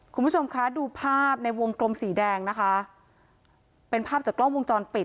คุณผู้ชมคะดูภาพในวงกลมสีแดงนะคะเป็นภาพจากกล้องวงจรปิด